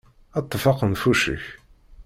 Ṭṭef axenfuc-ik!